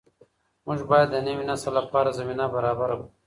موږ باید د نوي نسل لپاره زمینه برابره کړو.